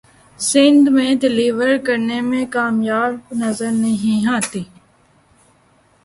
سندھ میں ڈیلیور کرنے میں کامیاب نظر نہیں آتی